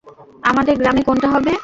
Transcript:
আমাদের গ্রামে কোনটা হবে?